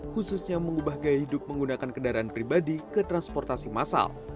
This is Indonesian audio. khususnya mengubah gaya hidup menggunakan kendaraan pribadi ke transportasi massal